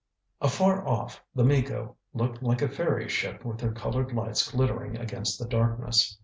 Afar off, The Miko looked like a fairy ship with her coloured lights glittering against the darkness.